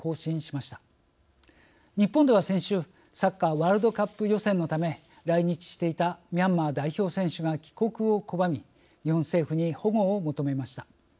日本では先週サッカーワールドカップ予選のため来日していたミャンマー代表選手が帰国を拒み日本政府に保護を求めました。